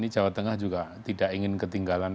jawa tengah juga tidak ingin ketinggalan